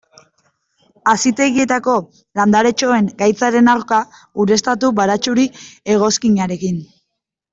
Hazitegietako landaretxoen gaitzaren aurka, ureztatu baratxuri-egoskinarekin.